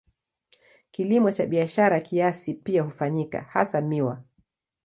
Kilimo cha kibiashara kiasi pia hufanyika, hasa miwa.